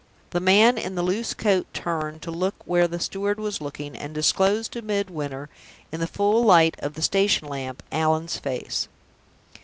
The man in the loose coat turned to look where the steward was looking, and disclosed to Midwinter, in the full light of the station lamp, Allan's face!